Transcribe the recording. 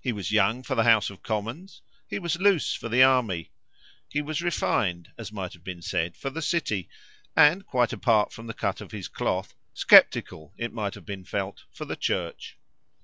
He was young for the House of Commons, he was loose for the Army. He was refined, as might have been said, for the City and, quite apart from the cut of his cloth, sceptical, it might have been felt, for the Church.